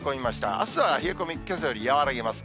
あすは冷え込み、けさより和らぎます。